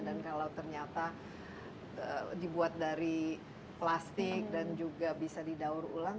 dan kalau ternyata dibuat dari plastik dan juga bisa didaur ulang